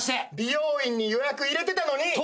美容院に予約入れてたのに。